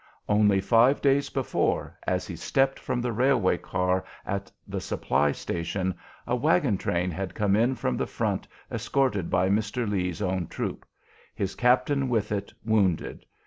Only five days before, as he stepped from the railway car at the supply station, a wagon train had come in from the front escorted by Mr. Lee's own troop; his captain with it, wounded.